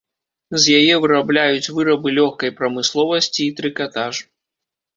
З яе вырабляюць вырабы лёгкай прамысловасці і трыкатаж.